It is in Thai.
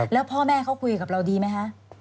แล้วพ่อแม่เขาคุยกับเราดีไหมคะ